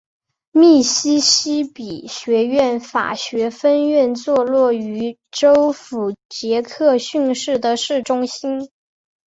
密西西比学院法学分院坐落于州府杰克逊市的市中心。